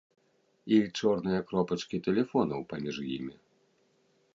І чорныя кропачкі тэлефонаў паміж імі.